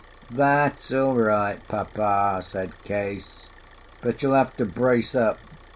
"That's all right, Papa," said Case. "But you'll have to brace up.